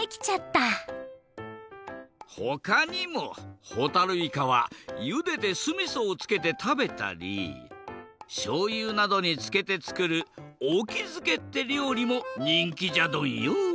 ほかにもほたるいかはゆでてすみそをつけて食べたりしょうゆなどにつけてつくるおきづけってりょうりもにんきじゃドンよ。